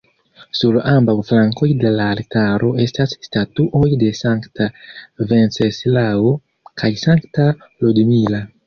Sur ambaŭ flankoj de la altaro estas statuoj de Sankta Venceslao kaj Sankta Ludmila.